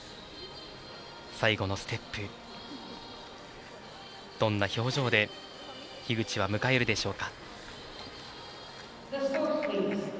最後のステップどんな表情で樋口は迎えるでしょうか。